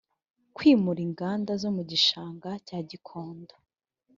kwimura inganda zo mu gishanga cya gikondo